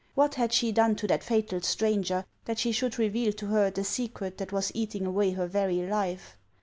"What had she done to that fatal stranger, that she should reveal to her the secret that was eating away her very life